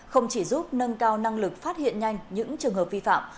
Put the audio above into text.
không chỉ giúp nâng cao năng lực phát hiện nhanh những trường hợp vi phạm